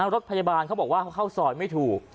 รถพยาบาลเขาบอกว่าเขาเข้าซอยไม่ถูก